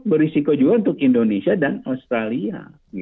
berisiko juga untuk indonesia dan australia